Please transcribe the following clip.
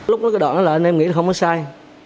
lúc đó cái đoạn là anh em nghĩ là không có sai